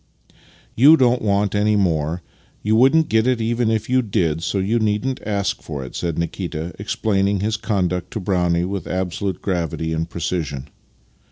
" You don't want any more. You wouldn't get it even if you did, so you needn't ask for it," said Nikita, explaining his conduct to Brownie with ab solute gravity and precision.